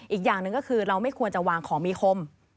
อีกอย่างหนึ่งก็คือเราไม่ควรจะวางของมีคม